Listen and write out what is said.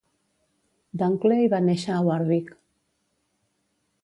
Dunckley va néixer a Warwick.